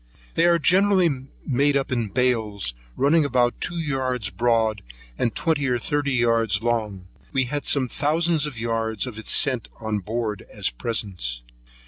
They are generally made up in bales, running about two yards broad, and twenty or thirty yards long. We had some thousands of yards of it sent on board as presents.